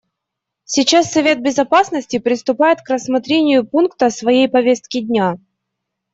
Сейчас Совет Безопасности приступает к рассмотрению пункта своей повестки дня.